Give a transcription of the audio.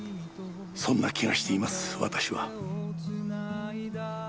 そんな気がしています私は。